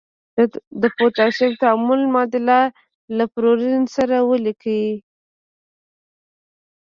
د پوتاشیم تعامل معادله له فلورین سره ولیکئ.